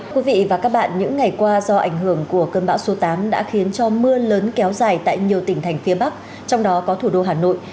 quý vị và các bạn những ngày qua do ảnh hưởng của cơn bão số tám đã khiến cho mưa lớn kéo dài tại nhiều tỉnh thành phía bắc trong đó có thủ đô hà nội